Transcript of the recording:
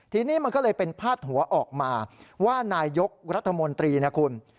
ทีนี้มันก็เลยเป็นพาดหัวออกมาว่านายกรัฐมนตรีนะคุณ